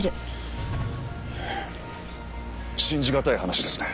信じ難い話ですね。